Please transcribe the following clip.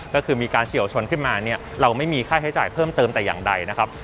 ก็คือมีการเฉียวชนขึ้นมาเนี่ยเราไม่มีค่าใช้จ่ายเพิ่มเติมแต่อย่างใดนะครับ